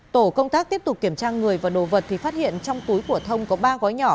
tổ công tác tiếp tục kiểm tra người và đồ vật thì phát hiện trong túi của thông có ba gói nhỏ